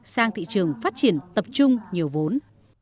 sang thị trường phát triển tập trung nhiều vốn